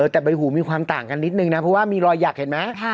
แต่ใบหูมีความต่างกันนิดนึงนะเพราะว่ามีรอยหยักเห็นไหม